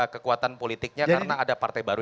kekuatan politiknya karena ada partai baru